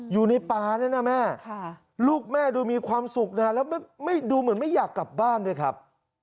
อยู่ในปลาด้วยนะแม่ลูกแม่ดูมีความสุขนะแล้วดูเหมือนไม่อยากกลับบ้านด้วยครับ